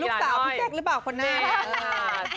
พี่แจ๊คหรือเปล่าคนหน้าค่ะ